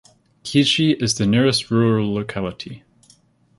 Kizhi is the nearest rural locality.